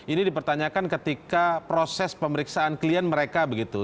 ini dipertanyakan ketika proses pemeriksaan klien mereka begitu